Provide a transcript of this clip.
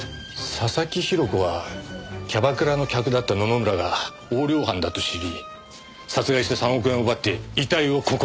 佐々木広子はキャバクラの客だった野々村が横領犯だと知り殺害して３億円を奪って遺体をここに埋めたんだよ。